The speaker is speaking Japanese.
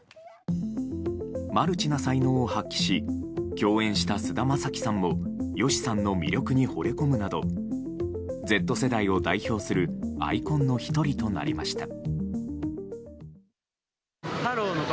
マルチな才能を発揮し共演した菅田将暉さんもＹＯＳＨＩさんの魅力にほれ込むなどＺ世代を代表するアイコンの１人となりました。